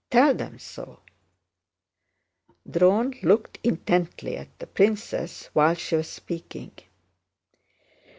Tell them so." Dron looked intently at the princess while she was speaking.